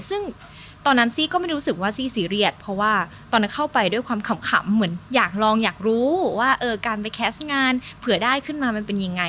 ซึ่งตอนนั้นซี่ก็ไม่รู้สึกว่าซี่ซีเรียสเพราะว่าตอนนั้นเข้าไปด้วยความขำเหมือนอยากลองอยากรู้ว่าการไปแคสต์งานเผื่อได้ขึ้นมามันเป็นยังไง